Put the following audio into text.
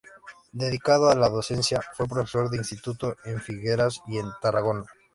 Dedicado a la docencia, fue profesor de instituto en Figueras y en Tarragona.